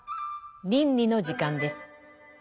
倫理の時間です。